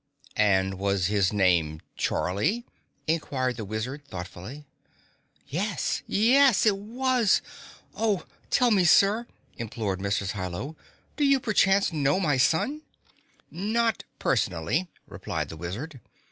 "And was his name Charlie?" inquired the Wizard thoughtfully. "Yes! Yes, it was! Oh, tell me, Sir," implored Mrs. Hi Lo, "do you, perchance, know my son?" "Not personally," replied the Wizard.